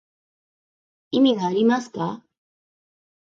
意味がありますか